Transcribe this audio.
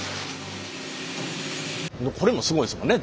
これもすごいですもんね。